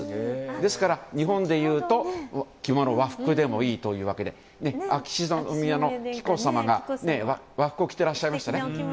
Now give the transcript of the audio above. ですから、日本でいうと着物和服でもいいというわけで秋篠宮の紀子さまが和服を着てらっしゃいましたね。